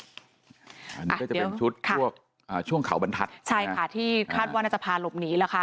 อันนี้ก็จะเป็นชุดช่วงข่าวบรรทัดใช่ค่ะที่คาดว่านัฐภาหลบหนีแล้วค่ะ